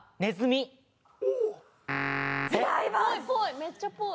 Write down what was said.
めっちゃっぽい。